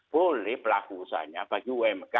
boleh pelaku usahanya bagi umk